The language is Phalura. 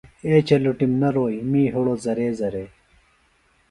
اے چلُٹم نہ رُویہ می ہِڑو زرے زرے۔